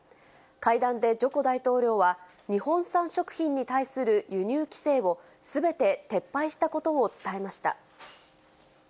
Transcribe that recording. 会談でジョコ大統領は、日本産食品に対する輸入規制をすべて撤廃したことを伝えました。